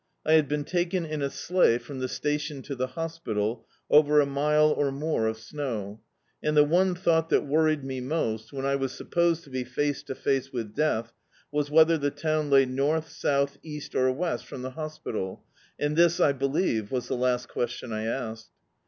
I had been taken in a slei^ from the station to the hospital, over a mile or more of snow; and the one thought that worried me most, when I was supposed to be face to face with death, was whether the town lay nortfi, south, east or west from the hospital, and this, I believe, was the last question I asked.